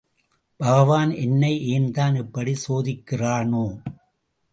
பகவான் என்னை ஏன்தான் இப்படிச் சோதிக்கிறானோ?....